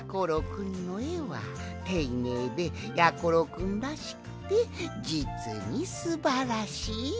くんのえはていねいでやころくんらしくてじつにすばらしい。